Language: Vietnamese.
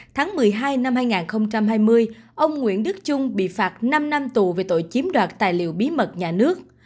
tháng một mươi hai năm hai nghìn hai mươi ông nguyễn đức trung bị phạt năm năm tù về tội chiếm đoạt tài liệu bí mật nhà nước